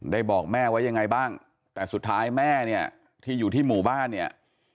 บอกแม่ไว้ยังไงบ้างแต่สุดท้ายแม่เนี่ยที่อยู่ที่หมู่บ้านเนี่ย